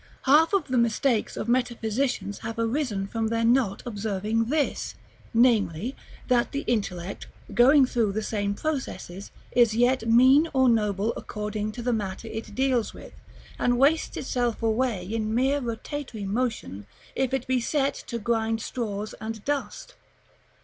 Half of the mistakes of metaphysicians have arisen from their not observing this; namely, that the intellect, going through the same processes, is yet mean or noble according to the matter it deals with, and wastes itself away in mere rotatory motion, if it be set to grind straws and dust.